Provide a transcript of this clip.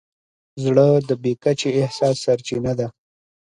زړه د بې کچې احساس سرچینه ده.